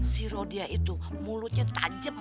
si rodia itu mulutnya tajem